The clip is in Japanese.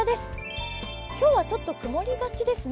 今日はちょっと曇りがちですね。